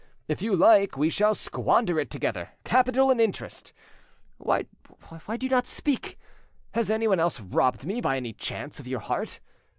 If you like, we shall squander it together, capital and interest. Why do you not speak? Has anyone else robbed me by any chance of your heart?